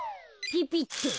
ピピッと。